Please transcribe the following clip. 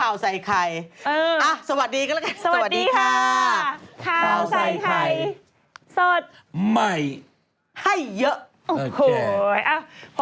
สวัสดีกันแล้วกันสวัสดีค่ะข้าวใส่ไข่สดใหม่ให้เยอะโอ้โห